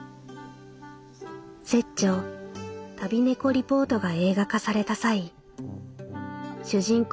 「拙著『旅猫リポート』が映画化された際主人公